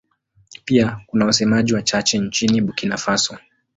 Pia kuna wasemaji wachache nchini Burkina Faso.